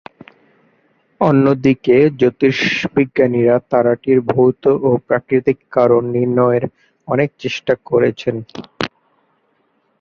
অন্যদিকে জ্যোতির্বিজ্ঞানীরা তারাটির ভৌত বা প্রাকৃতিক কারণ নির্ণয়ের অনেক চেষ্টা করেছেন।